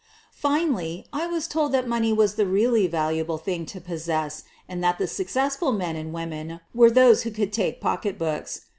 Finally, I was told that money was the really valu 11 12 SOPHIE LYONS able thing to possess, and that the successful men and women were those who could take pocketbooks.